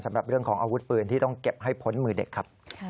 สำหรับเรื่องของอาวุธปืนที่ต้องเก็บให้พ้นมือเด็กครับ